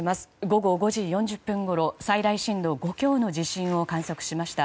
午後５時４０分ごろ最大震度５強の地震を観測しました。